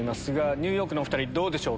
ニューヨークのお２人どうでしょう？